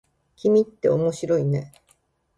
君って面白いね。